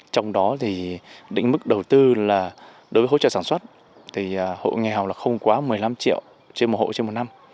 trong đó thì định mức đầu tư là đối với hỗ trợ sản xuất thì hộ nghèo là không quá một mươi năm triệu trên một hộ trên một năm